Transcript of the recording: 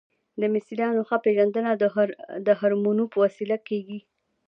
د مصریانو ښه پیژندنه د هرمونو په وسیله کیږي.